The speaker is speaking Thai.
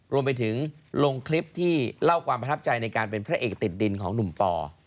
รวมไปถึงลงคลิปที่เล่าความประทับใจในการเป็นพระเอกติดดินของหนุ่มปอ